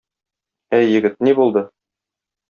Әй, егет, ни булды?